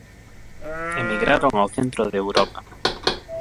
Emigraron ao centro de Europa.